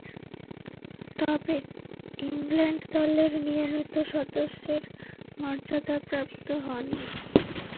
তবে, ইংল্যান্ড দলের নিয়মিত সদস্যের মর্যাদাপ্রাপ্ত হননি।